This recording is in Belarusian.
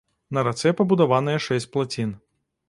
На рацэ пабудаваныя шэсць плацін.